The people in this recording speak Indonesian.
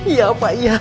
iya pak iya